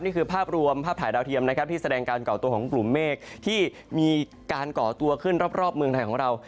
นี่คือภาพรวมภาพถ่ายดาวเทียมนะครับที่แสดงการก่อตัวของกลุ่มเมฆที่มีการก่อตัวขึ้นรอบเมืองไทยของเรา